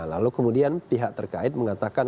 lalu kemudian pihak terkait mengatakan